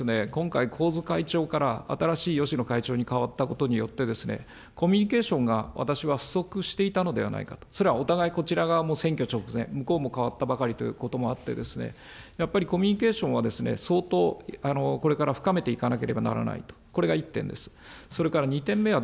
１つはですね、今回、神津会長から新しいよしの会長に代わったことによって、コミュニケーションが私は不足していたのではないかと、それはお互い、こちら側も選挙直前、向こうも代わったばかりということもあってですね、やっぱりコミュニケーションは相当、これから深めていかなければならないと、これが一点です。